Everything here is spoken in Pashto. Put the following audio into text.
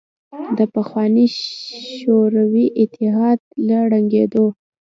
د پخواني شوروي اتحاد له ړنګېدو